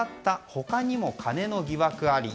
他にもカネの疑惑あり。